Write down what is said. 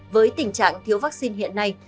với tình trạng thiếu vaccine hiện nay